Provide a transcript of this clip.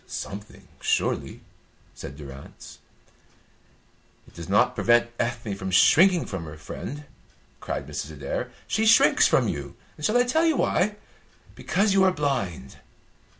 "Something, surely," said Durrance. "It does not prevent Ethne from shrinking from her friend," cried Mrs. Adair. "She shrinks from you. Shall I tell you why? Because you are blind.